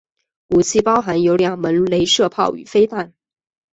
武器包含有两门雷射炮与飞弹。